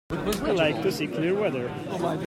We like to see clear weather.